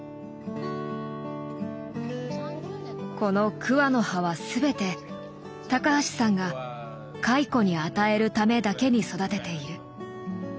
この桑の葉はすべて高橋さんが蚕に与えるためだけに育てている。